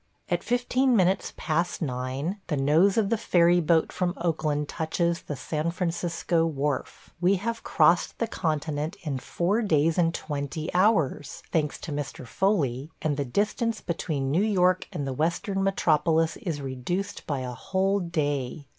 ... At fifteen minutes past nine the nose of the ferry boat from Oakland touches the San Francisco wharf. We have crossed the continent in four days and twenty hours – thanks to Mr. Foley – and the distance between New York and the Western metropolis is reduced by a whole day.